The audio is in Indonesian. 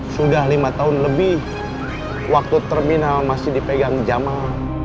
sudah lima tahun lebih waktu terminal masih dipegang jamal